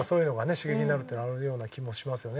刺激になるっていうのはあるような気もしますよね。